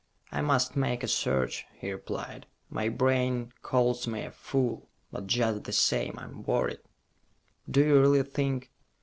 "I must make a search," he replied. "My brain calls me a fool, but just the same, I'm worried." "Do you really think